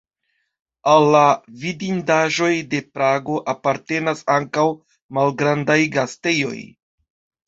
Al la vidindaĵoj de Prago apartenas ankaŭ malgrandaj gastejoj.